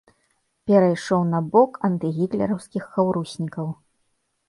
Перайшоў на бок антыгітлераўскіх хаўруснікаў.